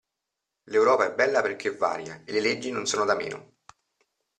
L'Europa è bella perché varia e le leggi non sono da meno!